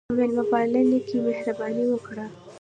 په میلمهپالنه کښېنه، مهرباني وکړه.